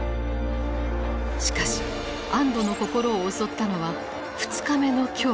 しかし安どの心を襲ったのは「ニ日目の恐怖」だった。